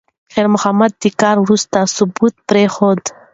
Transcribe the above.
خیر محمد د کار وروستی ثبوت پرېښود.